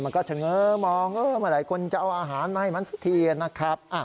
มองมาหลายคนจะเอาอาหารมาให้มันสักทีนะครับ